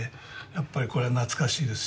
やっぱりこれは懐かしいです。